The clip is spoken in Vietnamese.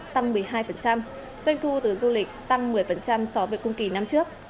tăng một mươi hai doanh thu từ du lịch tăng một mươi so với cùng kỳ năm trước